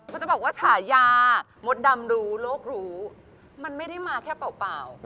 จะบอกว่าฉายามดดำรู้โลกรู้มันไม่ได้มาแค่เปล่า